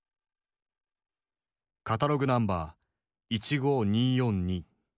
カタログナンバー１５２４２。